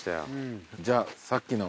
じゃあさっきの。